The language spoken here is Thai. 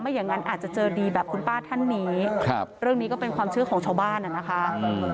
อย่างนั้นอาจจะเจอดีแบบคุณป้าท่านนี้ครับเรื่องนี้ก็เป็นความเชื่อของชาวบ้านอ่ะนะคะ